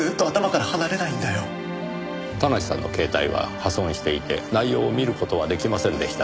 田無さんの携帯は破損していて内容を見る事は出来ませんでした。